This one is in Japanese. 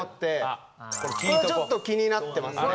これはちょっと気になってますね。